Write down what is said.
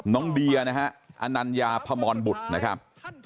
น้องเดียนะฮะอนัญญาพมรบุตรนะครับ